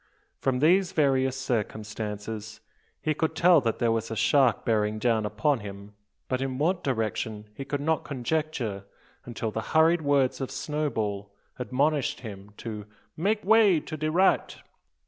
From these various circumstances he could tell that there was a shark bearing down upon him; but in what direction he could not conjecture, until the hurried words of Snowball admonished him to "make way to de right."